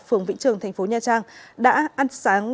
phường vĩnh trường tp nha trang đã ăn sáng